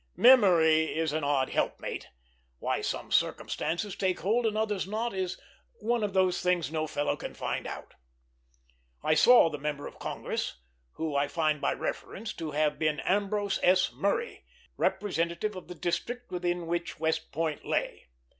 Memory is an odd helpmate; why some circumstances take hold and others not is "one of those things no fellow can find out." I saw the member of Congress, who I find by reference to have been Ambrose S. Murray, representative of the district within which West Point lay.